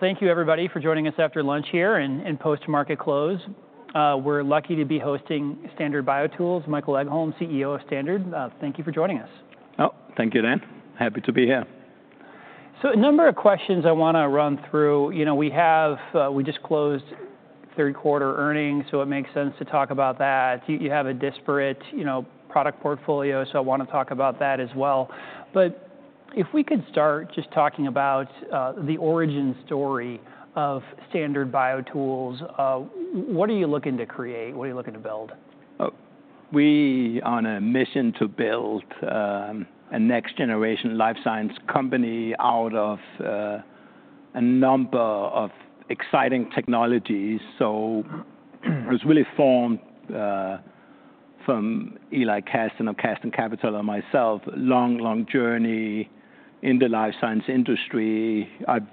Thank you, everybody, for joining us after lunch here and post-market close. We're lucky to be hosting Standard BioTools. Michael Egholm, CEO of Standard, thank you for joining us. Oh, thank you, Dan. Happy to be here. So, a number of questions I want to run through. You know, we just closed third quarter earnings, so it makes sense to talk about that. You have a disparate product portfolio, so I want to talk about that as well. But if we could start just talking about the origin story of Standard BioTools, what are you looking to create? What are you looking to build? We are on a mission to build a next-generation life science company out of a number of exciting technologies. So, it was really formed from Eli Casdin, of Casdin Capital, and myself. Long, long journey in the life science industry. I've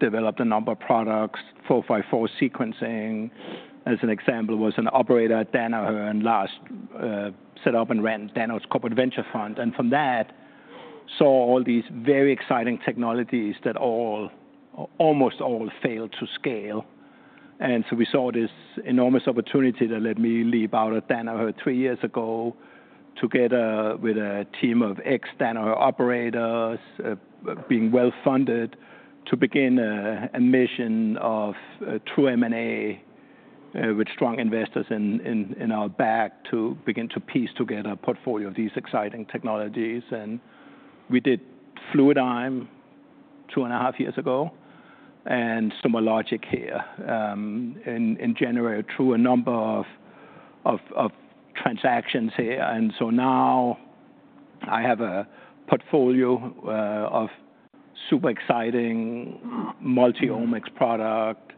developed a number of products. 454 sequencing, as an example, was an operator at Danaher, and last set up and ran Danaher's corporate venture fund. And from that, saw all these very exciting technologies that almost all failed to scale. And so we saw this enormous opportunity that led me to leave Danaher three years ago together with a team of ex-Danaher operators, being well funded, to begin a mission of true M&A with strong investors at our back to begin to piece together a portfolio of these exciting technologies. We did Fluidigm two and a half years ago and SomaLogic here in January through a number of transactions here. So now I have a portfolio of super exciting multi-omics product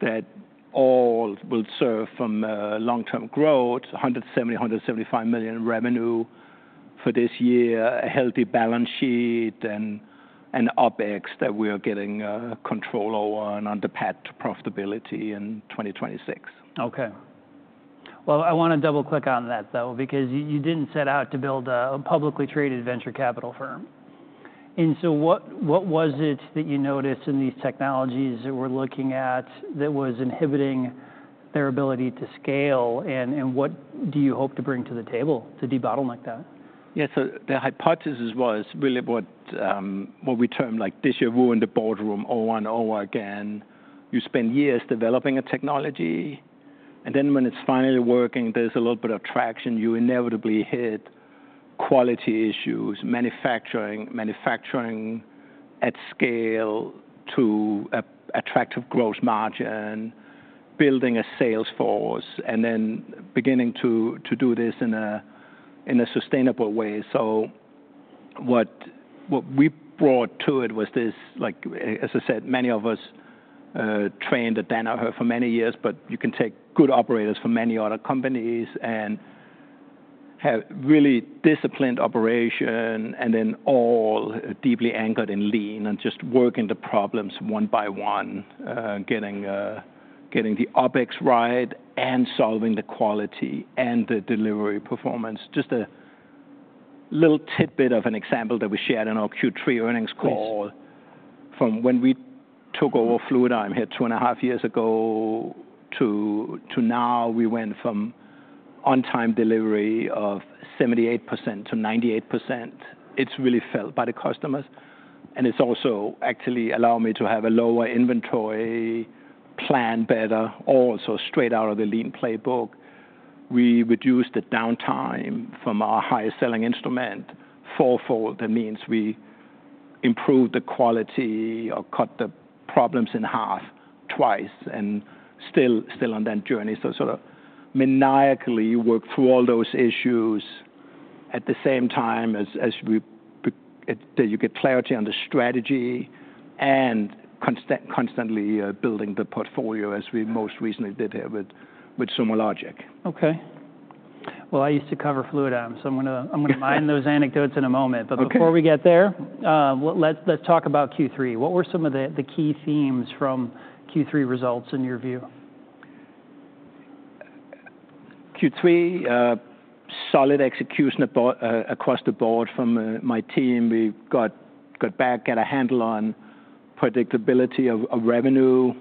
that all will serve from long-term growth, $170 million-$175 million revenue for this year, a healthy balance sheet, and OpEx that we are getting control over and on the path to profitability in 2026. Okay. Well, I want to double-click on that, though, because you didn't set out to build a publicly traded venture capital firm. And so what was it that you noticed in these technologies that we're looking at that was inhibiting their ability to scale? And what do you hope to bring to the table to debottleneck that? Yeah, so the hypothesis was really what we termed like this year we're in the boardroom over and over again. You spend years developing a technology, and then when it's finally working, there's a little bit of traction. You inevitably hit quality issues, manufacturing, manufacturing at scale to attractive gross margin, building a sales force, and then beginning to do this in a sustainable way. So what we brought to it was this, like as I said, many of us trained at Danaher for many years, but you can take good operators from many other companies and have really disciplined operation and then all deeply anchored in Lean and just working the problems one by one, getting the OpEx right and solving the quality and the delivery performance. Just a little tidbit of an example that we shared in our Q3 earnings call from when we took over Fluidigm here two and a half years ago to now. We went from on-time delivery of 78% to 98%. It's really felt by the customers, and it's also actually allowed me to have a lower inventory plan better, also straight out of the Lean playbook. We reduced the downtime from our highest selling instrument fourfold. That means we improved the quality or cut the problems in half twice and still on that journey, so sort of maniacally worked through all those issues at the same time as you get clarity on the strategy and constantly building the portfolio as we most recently did here with SomaLogic. Okay. I used to cover Fluidigm, so I'm going to mine those anecdotes in a moment. Before we get there, let's talk about Q3. What were some of the key themes from Q3 results in your view? Q3, solid execution across the board from my team. We got back at a handle on predictability of revenue.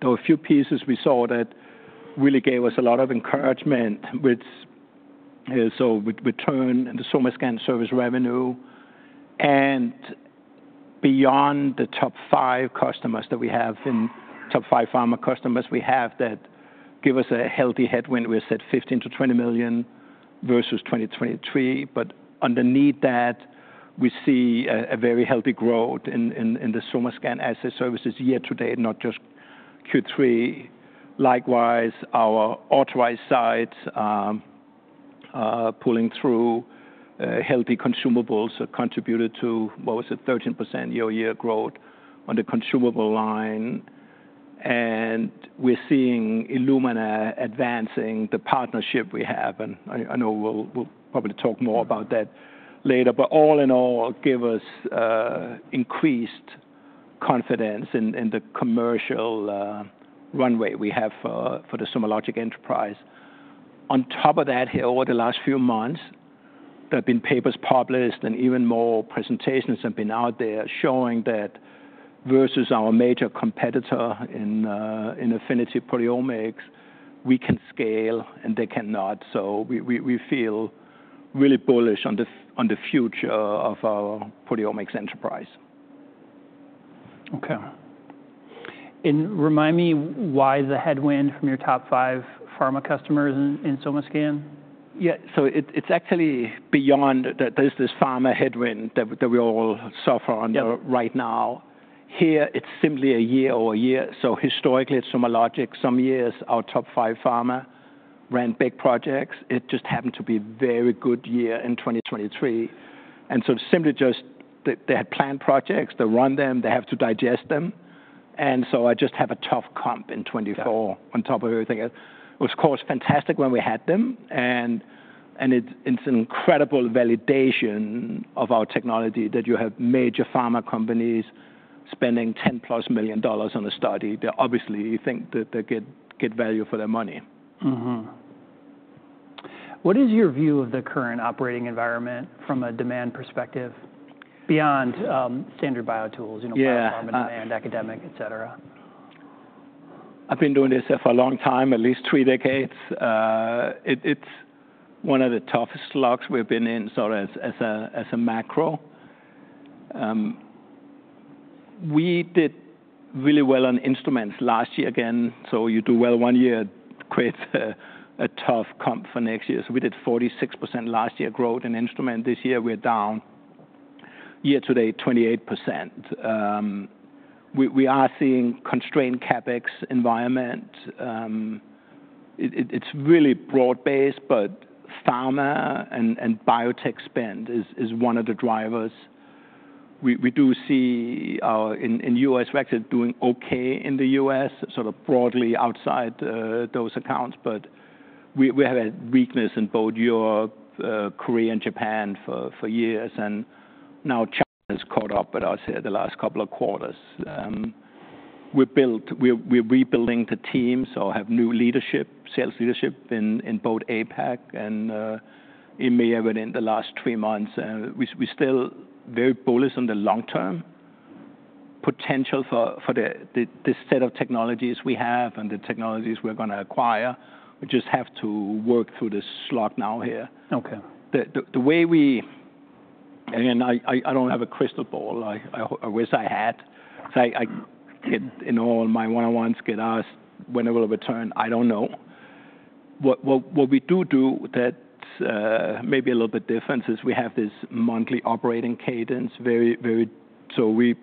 There were a few pieces we saw that really gave us a lot of encouragement with return and the SomaScan service revenue. And beyond the top five customers that we have and top five pharma customers we have that give us a healthy headwind, we said $15 million-$20 million versus 2023. But underneath that, we see a very healthy growth in the SomaScan Assay Services year to date, not just Q3. Likewise, our authorized sites pulling through healthy consumables contributed to, what was it, 13% year-over-year growth on the consumable line. And we're seeing Illumina advancing the partnership we have. And I know we'll probably talk more about that later. But all in all, it gave us increased confidence in the commercial runway we have for the SomaLogic enterprise. On top of that, here over the last few months, there have been papers published and even more presentations have been out there showing that versus our major competitor in affinity proteomics, we can scale and they cannot. So we feel really bullish on the future of our proteomics enterprise. Okay. And remind me why the headwind from your top five pharma customers in SomaScan? Yeah, so it's actually beyond. There's this pharma headwind that we all suffer under right now. Here, it's simply a year over year. So historically, at SomaLogic, some years our top five pharma ran big projects. It just happened to be a very good year in 2023. And so simply just they had planned projects, they run them, they have to digest them. And so I just have a tough comp in 2024 on top of everything. It was, of course, fantastic when we had them. And it's incredible validation of our technology that you have major pharma companies spending $10+ million on a study. Obviously, you think they get value for their money. What is your view of the current operating environment from a demand perspective beyond Standard BioTools, biopharma demand, academic, et cetera? I've been doing this for a long time, at least three decades. It's one of the toughest slogs we've been in sort of as a macro. We did really well on instruments last year again. So you do well one year, creates a tough comp for next year. So we did 46% last year growth in instrument. This year we're down year to date 28%. We are seeing constrained CapEx environment. It's really broad based, but pharma and biotech spend is one of the drivers. We do see in U.S. markets doing okay in the U.S., sort of broadly outside those accounts. But we have a weakness in both Europe, Korea, and Japan for years, and now China has caught up with us here the last couple of quarters. We're rebuilding the team, so I have new leadership, sales leadership in both APAC and in EMEA in the last three months. And we're still very bullish on the long-term potential for the set of technologies we have and the technologies we're going to acquire. We just have to work through this slog now here. The way we, and I don't have a crystal ball, I wish I had, because in all my one-on-ones, I get asked when it will return. I don't know. What we do do that may be a little bit different is we have this monthly operating cadence. So we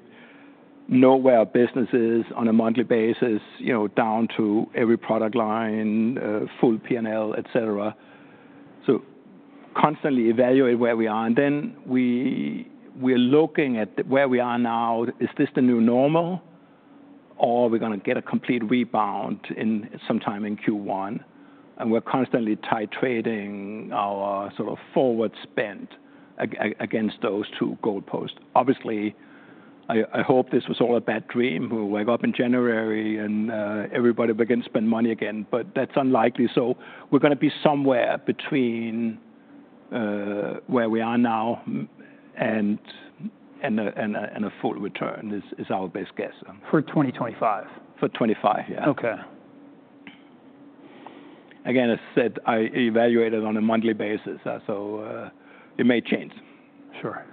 know where our business is on a monthly basis down to every product line, full P&L, et cetera. So constantly evaluate where we are. And then we're looking at where we are now, is this the new normal or are we going to get a complete rebound sometime in Q1? And we're constantly titrating our sort of forward spend against those two goalposts. Obviously, I hope this was all a bad dream where we wake up in January and everybody begins to spend money again, but that's unlikely. So we're going to be somewhere between where we are now and a full return is our best guess. For 2025? For 25, yeah. Okay. Again, as I said, I evaluate it on a monthly basis, so it may change. Sure.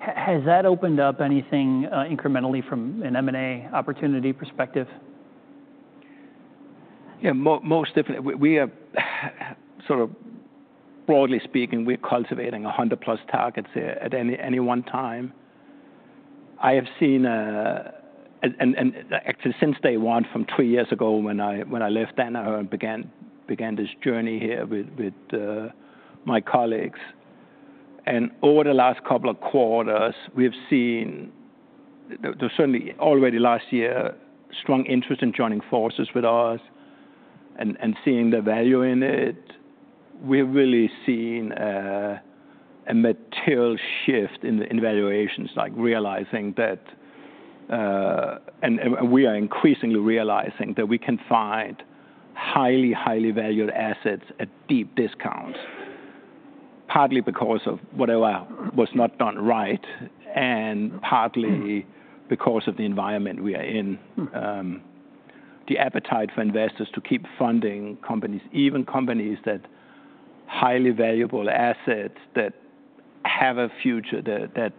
Has that opened up anything incrementally from an M&A opportunity perspective? Yeah, most definitely. Sort of broadly speaking, we're cultivating 100 plus targets at any one time. I have seen, actually, since day one from three years ago when I left Danaher and began this journey here with my colleagues, and over the last couple of quarters, we've seen there was certainly already last year strong interest in joining forces with us and seeing the value in it. We've really seen a material shift in valuations, like realizing that, and we are increasingly realizing that we can find highly, highly valued assets at deep discounts, partly because of whatever was not done right and partly because of the environment we are in. The appetite for investors to keep funding companies, even companies that highly valuable assets that have a future, that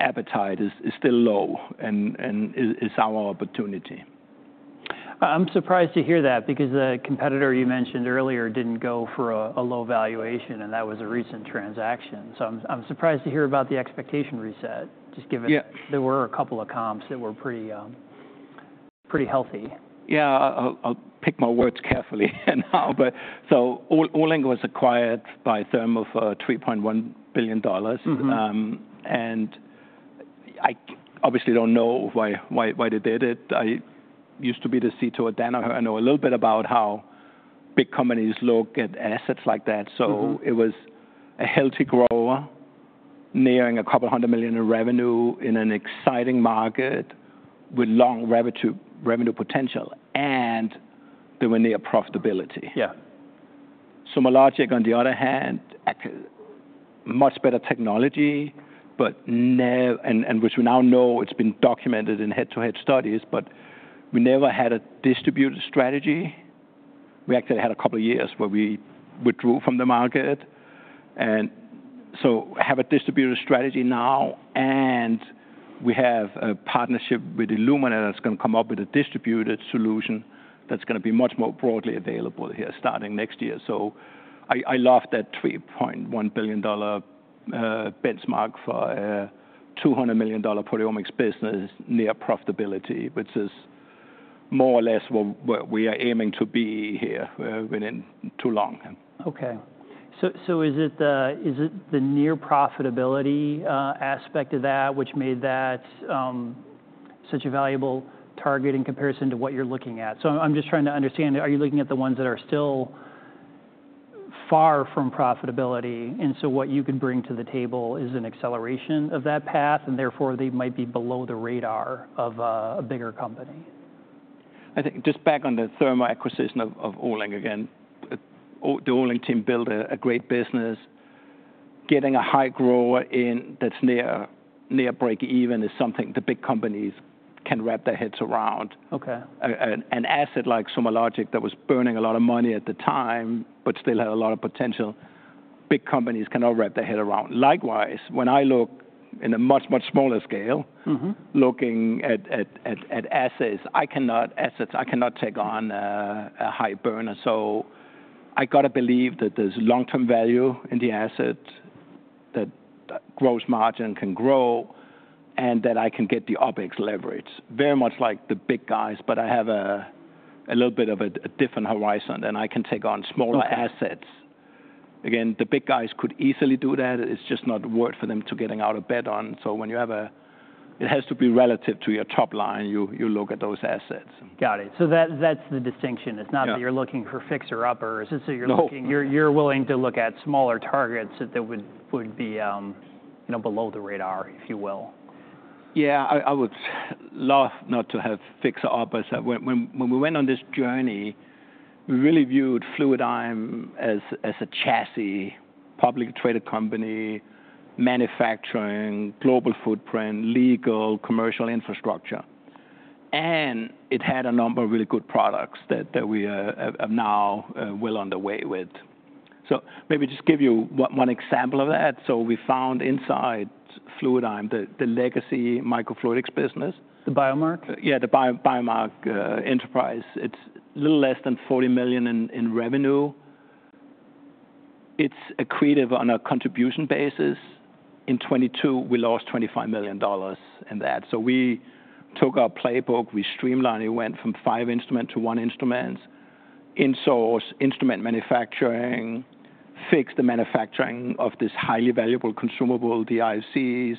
appetite is still low and is our opportunity. I'm surprised to hear that because the competitor you mentioned earlier didn't go for a low valuation and that was a recent transaction. So I'm surprised to hear about the expectation reset, just given there were a couple of comps that were pretty healthy. Yeah, I'll pick my words carefully now. But so Olink was acquired by Thermo for $3.1 billion. And I obviously don't know why they did it. I used to be the CTO at Danaher. I know a little bit about how big companies look at assets like that. So it was a healthy grower nearing a couple hundred million in revenue in an exciting market with long revenue potential and they were near profitability. Yeah, SomaLogic on the other hand, much better technology, but which we now know it's been documented in head-to-head studies, but we never had a distributed strategy. We actually had a couple of years where we withdrew from the market. And so have a distributed strategy now. And we have a partnership with Illumina that's going to come up with a distributed solution that's going to be much more broadly available here starting next year. So I love that $3.1 billion benchmark for a $200 million proteomics business near profitability, which is more or less where we are aiming to be here within not too long. Okay, so is it the near profitability aspect of that which made that such a valuable target in comparison to what you're looking at? So I'm just trying to understand, are you looking at the ones that are still far from profitability? And so what you could bring to the table is an acceleration of that path and therefore they might be below the radar of a bigger company. I think just back on the Thermo acquisition of Olink again, the Olink team built a great business. Getting a high grower in that's near break-even is something the big companies can wrap their heads around. An asset like SomaLogic that was burning a lot of money at the time, but still had a lot of potential, big companies can all wrap their head around. Likewise, when I look in a much, much smaller scale, looking at assets, I cannot take on a high burner. So I got to believe that there's long-term value in the asset, that gross margin can grow, and that I can get the OpEx leverage. Very much like the big guys, but I have a little bit of a different horizon and I can take on smaller assets. Again, the big guys could easily do that. It's just not worth for them to getting out of bed on. So when you have a, it has to be relative to your top line, you look at those assets. Got it. So that's the distinction. It's not that you're looking for fixer uppers. It's that you're willing to look at smaller targets that would be below the radar, if you will. Yeah, I would love not to have fixer uppers. When we went on this journey, we really viewed Fluidigm as a chassis, publicly traded company, manufacturing, global footprint, legal, commercial infrastructure. And it had a number of really good products that we are now well on the way with. So maybe just give you one example of that. So we found inside Fluidigm the legacy microfluidics business. The biomark? Yeah, the Biomark enterprise. It's a little less than $40 million in revenue. It's accretive on a contribution basis. In 2022, we lost $25 million in that. So we took our playbook, we streamlined, we went from five instruments to one instrument, insource instrument manufacturing, fixed the manufacturing of this highly valuable consumable, the IFCs.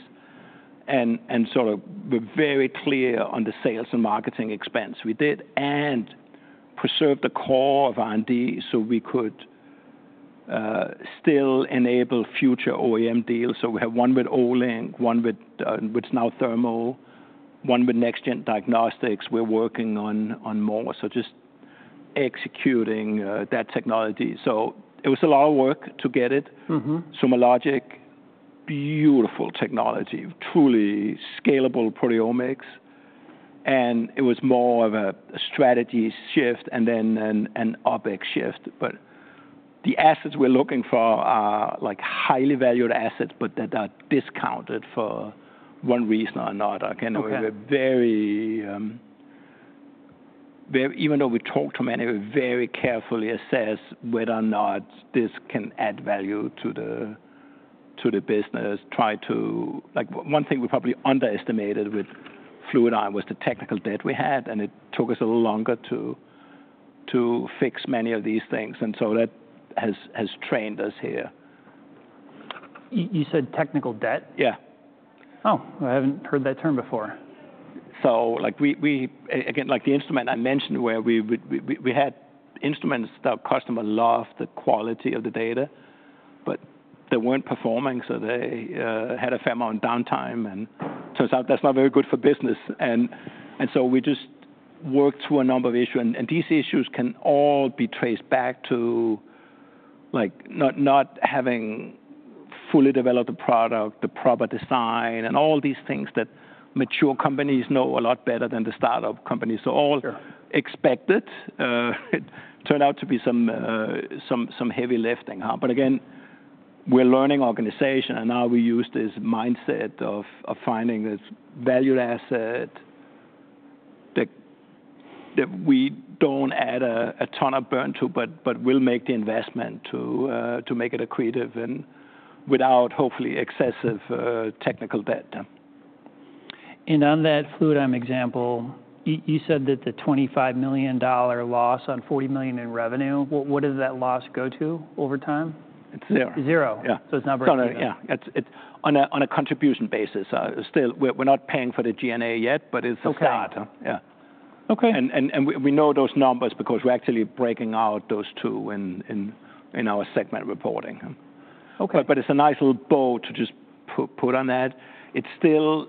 And sort of we're very clear on the sales and marketing expense we did and preserved the core of R&D so we could still enable future OEM deals. So we have one with Olink, one with what's now Thermo, one with Next Gen Diagnostics. We're working on more. So just executing that technology. So it was a lot of work to get it. SomaLogic, beautiful technology, truly scalable proteomics. And it was more of a strategy shift and then an OpEx shift. But the assets we're looking for are highly valued assets, but that are discounted for one reason or another. Even though we talk to many, we very carefully assess whether or not this can add value to the business. One thing we probably underestimated with Fluidigm was the technical debt we had, and it took us a little longer to fix many of these things, and so that has trained us here. You said technical debt? Yeah. Oh, I haven't heard that term before. So again, like the instrument I mentioned where we had instruments that our customer loved the quality of the data, but they weren't performing, so they had a fair amount of downtime, and turns out that's not very good for business, and so we just worked through a number of issues, and these issues can all be traced back to not having fully developed the product, the proper design, and all these things that mature companies know a lot better than the startup companies, so all expected. It turned out to be some heavy lifting, but again, we're a learning organization, and now we use this mindset of finding this valued asset that we don't add a ton of burn to, but we'll make the investment to make it accretive and without hopefully excessive technical debt. And on that Fluidigm example, you said that the $25 million loss on $40 million in revenue, what does that loss go to over time? It's zero. Zero. So it's not break-even. Yeah. On a contribution basis, we're not paying for the G&A yet, but it's a start. Yeah. And we know those numbers because we're actually breaking out those two in our segment reporting. But it's a nice little bow to just put on that. It's still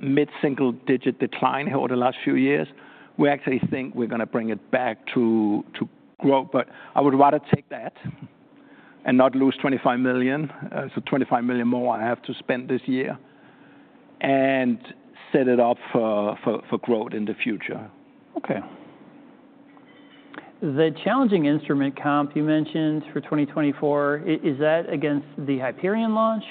mid-single digit decline here over the last few years. We actually think we're going to bring it back to growth. But I would rather take that and not lose $25 million. So $25 million more I have to spend this year and set it up for growth in the future. Okay. The challenging instrument comp you mentioned for 2024, is that against the Hyperion launch?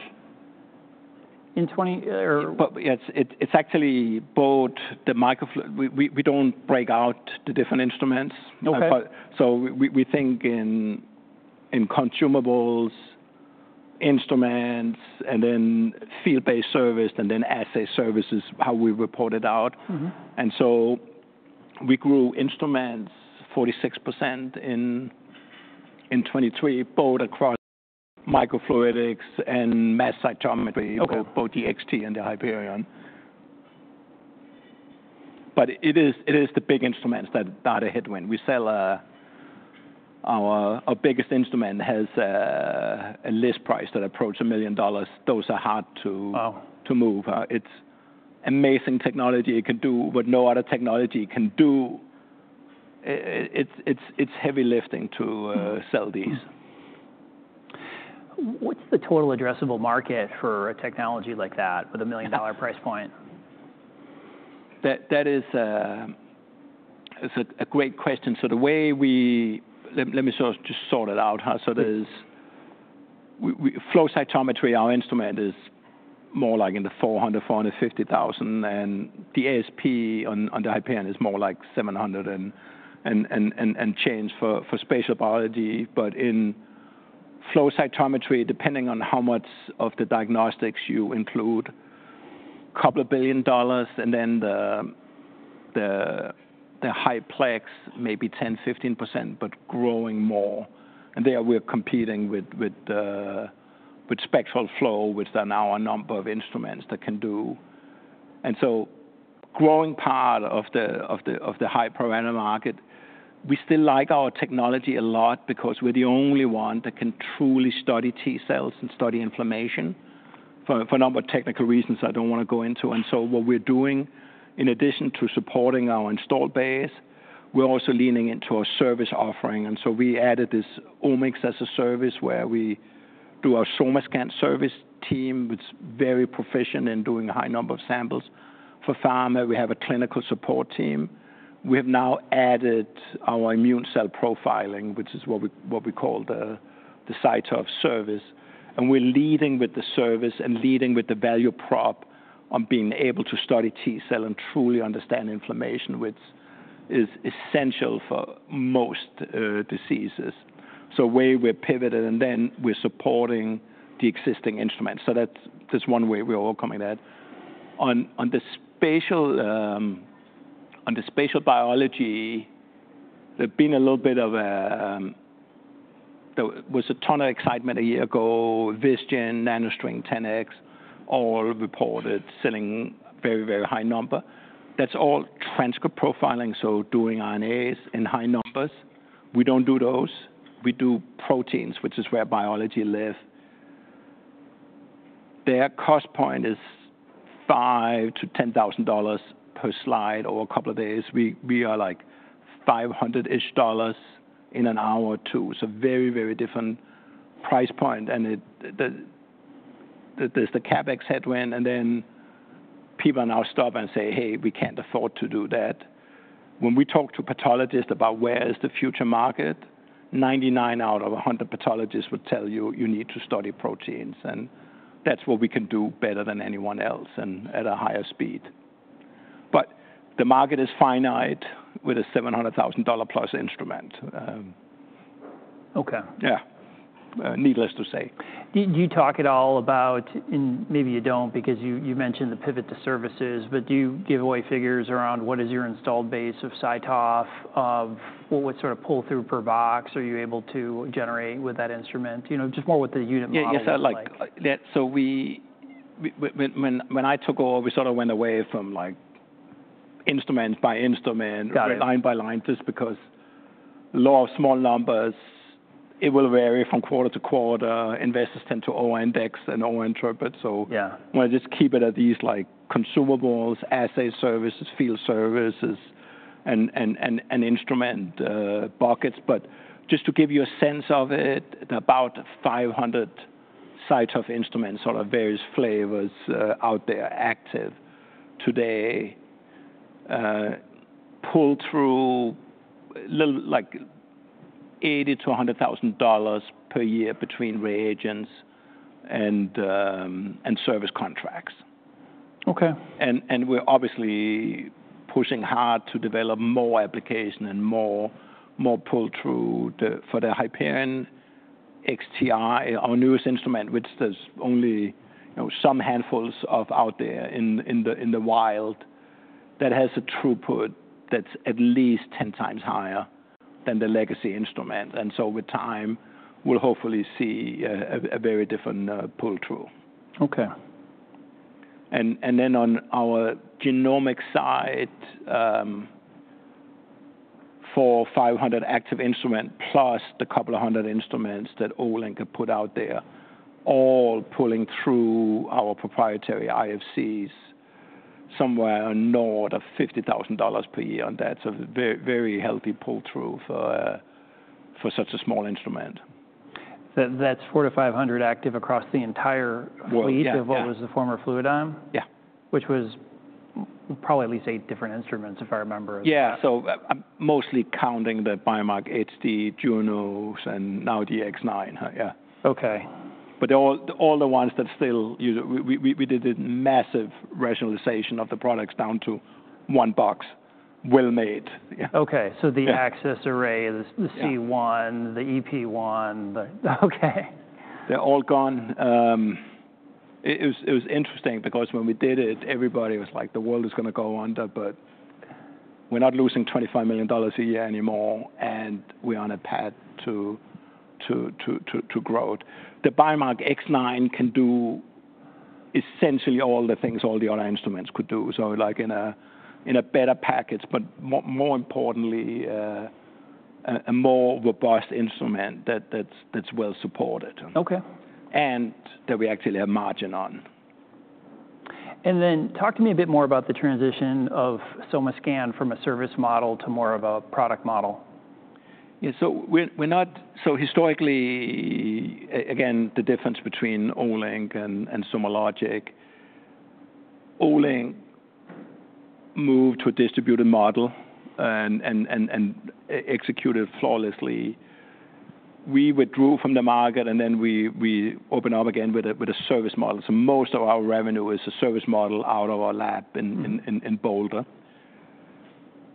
It's actually both the microfluidics. We don't break out the different instruments, so we think in consumables, instruments, and then field-based service, and then asset services, how we report it out, and so we grew instruments 46% in 2023, both across microfluidics and mass cytometry, both the XT and the Hyperion, but it is the big instruments that are a headwind. Our biggest instrument has a list price that approaches $1 million. Those are hard to move. It's amazing technology it can do, but no other technology can do. It's heavy lifting to sell these. What's the total addressable market for a technology like that with a $1 million price point? That is a great question. So the way we, let me just sort it out. So flow cytometry, our instrument is more like in the $400-$450,000. And the ASP on the Hyperion is more like $700 and change for spatial biology. But in flow cytometry, depending on how much of the diagnostics you include, $2 billion. And then the high-plex, maybe 10-15%, but growing more. And there we're competing with spectral flow, which are now a number of instruments that can do. And so growing part of the high-plex per annum market. We still like our technology a lot because we're the only one that can truly study T cells and study inflammation for a number of technical reasons I don't want to go into. And so what we're doing, in addition to supporting our installed base, we're also leaning into our service offering. And so we added this Omics as a Service where we do our SomaScan service team, which is very proficient in doing a high number of samples. For pharma, we have a clinical support team. We have now added our immune cell profiling, which is what we call the CytoService. And we're leading with the service and leading with the value prop on being able to study T cell and truly understand inflammation, which is essential for most diseases. So the way we're pivoted and then we're supporting the existing instruments. So that's one way we're overcoming that. On the spatial biology, there's been a little bit of a, there was a ton of excitement a year ago, Visium, NanoString 10x, all reported, selling very, very high number. That's all transcript profiling, so doing RNAs in high numbers. We don't do those. We do proteins, which is where biology lives. Their cost point is $5,000-$10,000 per slide over a couple of days. We are like $500-ish in an hour or two. So very, very different price point. And there's the CapEx headwind. And then people now stop and say, "Hey, we can't afford to do that." When we talk to pathologists about where is the future market, 99 out of 100 pathologists would tell you, "You need to study proteins." And that's what we can do better than anyone else and at a higher speed. But the market is finite with a $700,000 plus instrument. Okay. Yeah. Needless to say. Do you talk at all about, and maybe you don't because you mentioned the pivot to services, but do you give away figures around what is your installed base of CyTOF, of what sort of pull-through per box are you able to generate with that instrument? Just more with the unit model. Yeah, so when I took over, we sort of went away from instrument by instrument, line by line, just because law of small numbers, it will vary from quarter to quarter. Investors tend to over-index and over-interpret. So I want to just keep it at these consumables, asset services, field services, and instrument buckets. But just to give you a sense of it, about 500 CyTOF instruments, sort of various flavors out there active today, pull through like $80,000-$100,000 per year between reagents and service contracts. And we're obviously pushing hard to develop more application and more pull-through for the Hyperion XTi, our newest instrument, which there's only some handfuls of out there in the wild that has a throughput that's at least 10 times higher than the legacy instrument. And so with time, we'll hopefully see a very different pull-through. Okay. Then on our genomic side, 4,500 active instruments plus the couple of hundred instruments that All England can put out there, all pulling through our proprietary IFCs somewhere north of $50,000 per year on that. Very healthy pull-through for such a small instrument. That's 400-500 active across the entire fleet of what was the former Fluidigm, which was probably at least eight different instruments, if I remember. Yeah. So I'm mostly counting the Biomark HD, Junos, and now the X9. Yeah. Okay. But all the ones that still, we did a massive rationalization of the products down to one box, well-made. Okay. So the Access Array, the C1, the EP1. Okay. They're all gone. It was interesting because when we did it, everybody was like, "The world is going to go under, but we're not losing $25 million a year anymore. And we're on a path to growth." The Biomark X9 can do essentially all the things all the other instruments could do. So in a better package, but more importantly, a more robust instrument that's well supported. Okay. And that we actually have margin on. Talk to me a bit more about the transition of SomaScan from a service model to more of a product model? Yeah. So historically, again, the difference between Olink and SomaLogic, Olink moved to a distributed model and executed flawlessly. We withdrew from the market, and then we opened up again with a service model. So most of our revenue is a service model out of our lab in Boulder.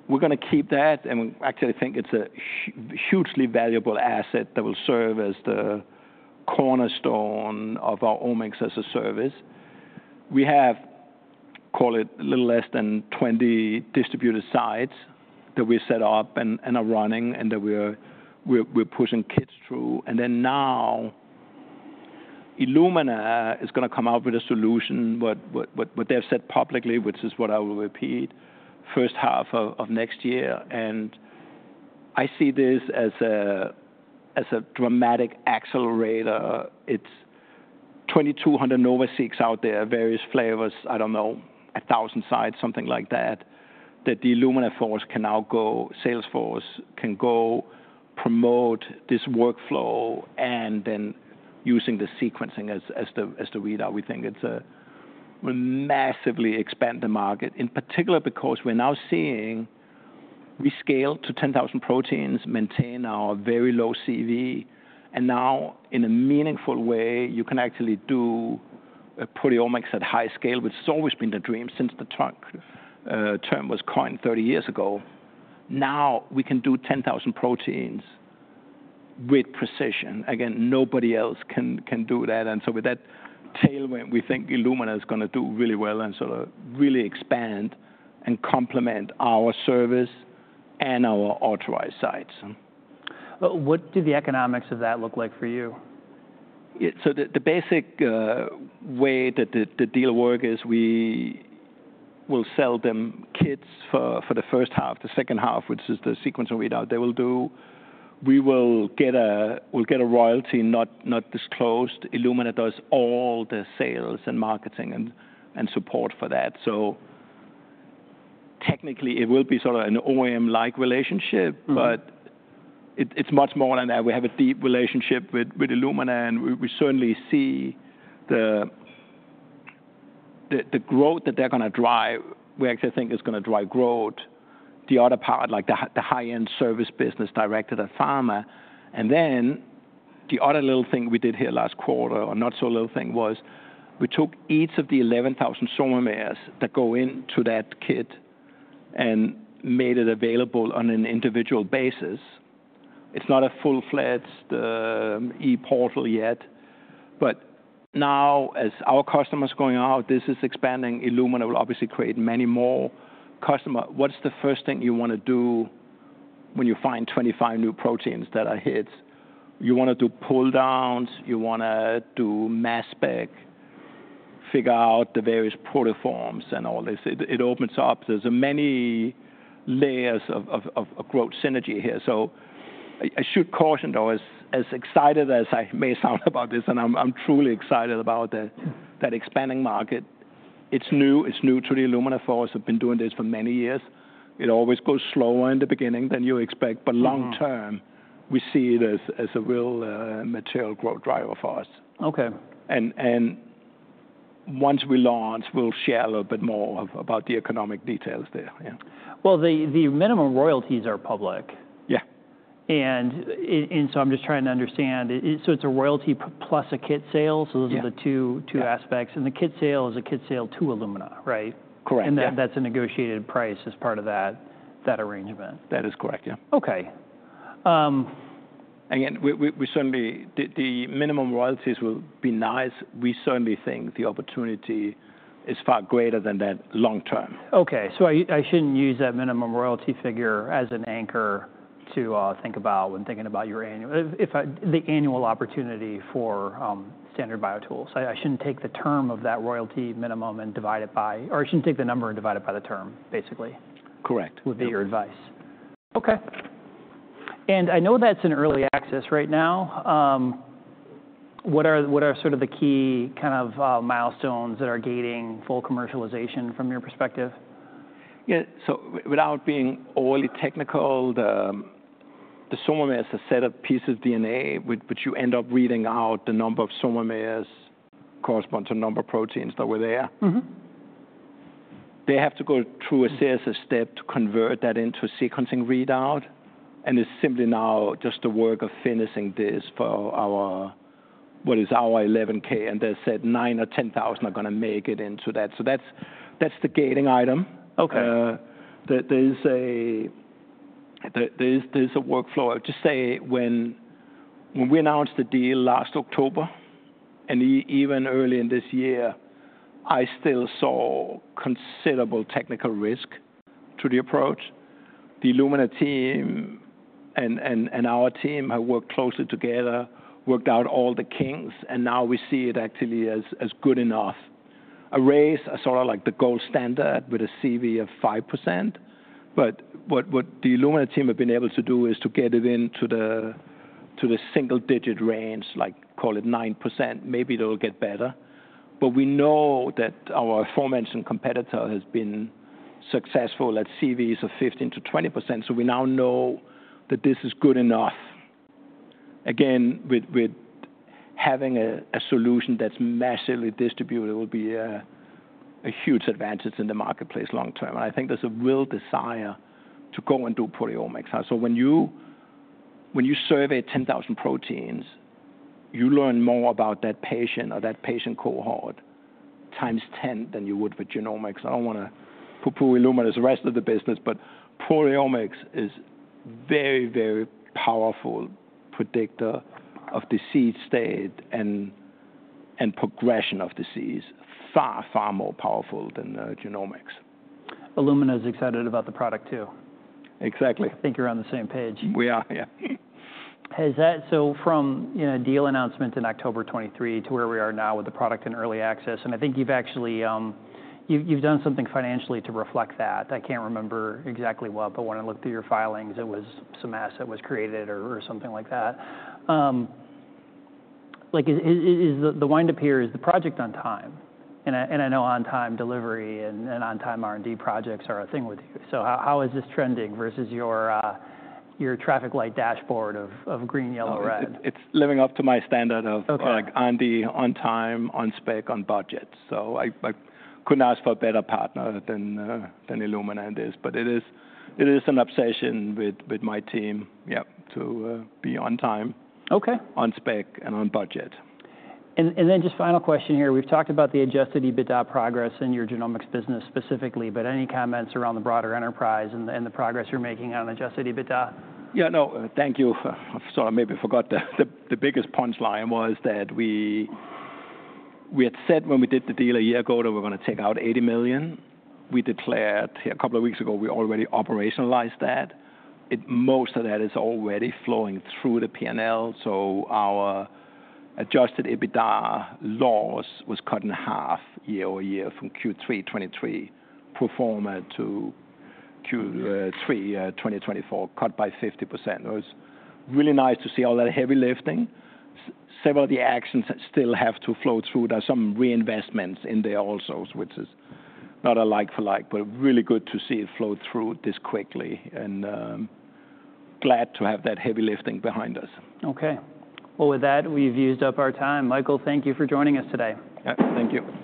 We're going to keep that. And we actually think it's a hugely valuable asset that will serve as the cornerstone of our Omics as a Service. We have called it a little less than 20 distributed sites that we set up and are running and that we're pushing kits through. And then now Illumina is going to come out with a solution, what they've said publicly, which is what I will repeat, first half of next year. And I see this as a dramatic accelerator. It's 2,200 NovaSeqs out there, various flavors. I don't know, 1,000 sites, something like that, that the Illumina sales force can now go. Sales force can go promote this workflow and then using the sequencing as the readout. We think it's a massively expand the market, in particular because we're now seeing we scale to 10,000 proteins, maintain our very low CV. And now in a meaningful way, you can actually do a proteomics at high scale, which has always been the dream since the term was coined 30 years ago. Now we can do 10,000 proteins with precision. Again, nobody else can do that. And so with that tailwind, we think Illumina is going to do really well and sort of really expand and complement our service and our authorized sites. What do the economics of that look like for you? So the basic way that the deal works is we will sell them kits for the first half. The second half, which is the sequence and readout they will do, we will get a royalty not disclosed. Illumina does all the sales and marketing and support for that. So technically, it will be sort of an OEM-like relationship, but it's much more than that. We have a deep relationship with Illumina. And we certainly see the growth that they're going to drive. We actually think it's going to drive growth. The other part, like the high-end service business directed at pharma. And then the other little thing we did here last quarter, or not so little thing, was we took each of the 11,000 SOMamers that go into that kit and made it available on an individual basis. It's not a full-fledged e-portal yet. But now, as our customers are going out, this is expanding. Illumina will obviously create many more customers. What's the first thing you want to do when you find 25 new proteins that are hits? You want to do pull-downs. You want to do mass spec, figure out the various proteoforms and all this. It opens up. There's many layers of growth synergy here. So I should caution though, as excited as I may sound about this, and I'm truly excited about that expanding market. It's new. It's new to the Illumina force. I've been doing this for many years. It always goes slower in the beginning than you expect. But long term, we see it as a real material growth driver for us. Okay. Once we launch, we'll share a little bit more about the economic details there. Yeah. The minimum royalties are public. Yeah. And so I'm just trying to understand. So it's a royalty plus a kit sale. So those are the two aspects. And the kit sale is a kit sale to Illumina, right? Correct. That's a negotiated price as part of that arrangement. That is correct. Yeah. Okay. Again, we certainly, the minimum royalties will be nice. We certainly think the opportunity is far greater than that long term. Okay. So I shouldn't use that minimum royalty figure as an anchor to think about when thinking about your annual opportunity for Standard BioTools. I shouldn't take the term of that royalty minimum and divide it by, or I shouldn't take the number and divide it by the term, basically. Correct. Would be your advice. Okay. And I know that's in early access right now. What are sort of the key kind of milestones that are gating full commercialization from your perspective? Yeah. So without being overly technical, the SomaMers are a set of pieces of DNA, which you end up reading out, the number of SomaMers corresponds to the number of proteins that were there. They have to go through a SNGS step to convert that into a sequencing readout. And it's simply now just the work of finishing this for our, what is our 11K. And they said nine or 10,000 are going to make it into that. So that's the gating item. Okay. There's a workflow. I'll just say when we announced the deal last October and even early in this year, I still saw considerable technical risk to the approach. The Illumina team and our team have worked closely together, worked out all the kinks, and now we see it actually as good enough. An assay is sort of like the gold standard with a CV of 5%, but what the Illumina team have been able to do is to get it into the single-digit range, like call it 9%. Maybe it'll get better, but we know that our aforementioned competitor has been successful at CVs of 15%-20%, so we now know that this is good enough. Again, with having a solution that's massively distributed, it will be a huge advantage in the marketplace long term, and I think there's a real desire to go and do proteomics. So when you survey 10,000 proteins, you learn more about that patient or that patient cohort times 10 than you would with genomics. I don't want to poo-poo Illumina's rest of the business, but proteomics is a very, very powerful predictor of disease state and progression of disease, far, far more powerful than genomics. Illumina is excited about the product too. Exactly. I think you're on the same page. We are, yeah. So, from a deal announcement in October 2023 to where we are now with the product in early access. And I think you've actually done something financially to reflect that. I can't remember exactly what, but when I looked through your filings, it was some asset was created or something like that. The wind-up here is the project on time. And I know on-time delivery and on-time R&D projects are a thing with you. So how is this trending versus your traffic light dashboard of green, yellow, red? It's living up to my standard of on-time, on-spec, on budget, so I couldn't ask for a better partner than Illumina in this, but it is an obsession with my team, yeah, to be on time, on spec, and on budget. And then just final question here. We've talked about the Adjusted EBITDA progress in your genomics business specifically, but any comments around the broader enterprise and the progress you're making on Adjusted EBITDA? Yeah. No, thank you. I sort of maybe forgot the biggest punchline was that we had said when we did the deal a year ago that we're going to take out $80 million. We declared a couple of weeks ago we already operationalized that. Most of that is already flowing through the P&L. So our Adjusted EBITDA loss was cut in half year over year from Q3 2023 pro forma to Q3 2024, cut by 50%. It was really nice to see all that heavy lifting. Several of the actions still have to flow through. There are some reinvestments in there also, which is not a like for like, but really good to see it flow through this quickly and glad to have that heavy lifting behind us. Okay. Well, with that, we've used up our time. Michael, thank you for joining us today. Yeah. Thank you.